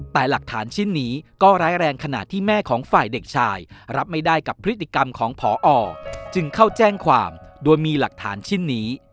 แต่หลักฐานชิ้นนี้ก็ร้ายแรงขณะที่แม่ของฝ่ายเด็กชายรับไม่ได้กับพฤติกรรมของพอจึงเข้าแจ้งความโดยมีหลักฐานชิ้นนี้